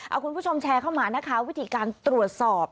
เอาคุณผู้ชมแชร์เข้ามานะคะวิธีการตรวจสอบ